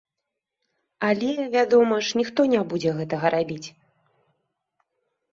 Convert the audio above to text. Але, вядома ж, ніхто не будзе гэтага рабіць.